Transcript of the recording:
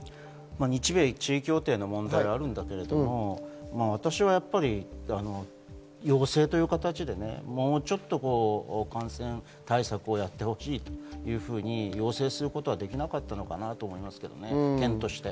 日米地位協定の問題があるんだけれども、私は陽性という形で、もうちょっと感染対策をしてほしいと要請することはできなかったと思いますね、県として。